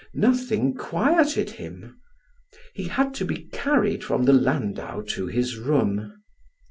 Nothing quieted him. He had to be carried from the landau to his room.